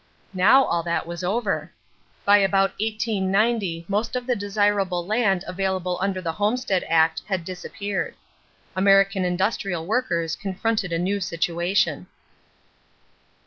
Now all that was over. By about 1890 most of the desirable land available under the Homestead act had disappeared. American industrial workers confronted a new situation.